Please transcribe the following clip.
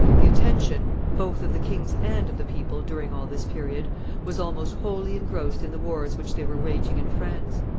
The attention, both of the kings and of the people, during all this period, was almost wholly engrossed in the wars which they were waging in France.